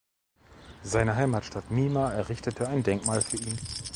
Seine Heimatstadt Mima errichtete ein Denkmal für ihn.